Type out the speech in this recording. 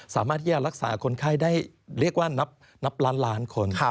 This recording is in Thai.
สามารถที่จะรักษาคนไข้ได้เรียกว่านับล้านล้านคน